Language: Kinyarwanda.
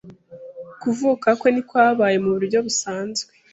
Kuvuka kwe ntikwabaye mu buryo busanzwe,